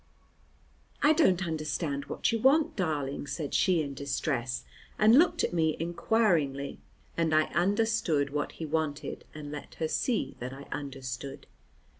"I don't understand what you want, darling," said she in distress, and looked at me inquiringly, and I understood what he wanted, and let her see that I understood.